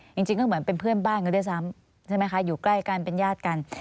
จริงก็เหมือนเป็นเพื่อนบ้านกันด้วยซ้ำใช่ไหมคะอยู่ใกล้กันเป็นญาติกัน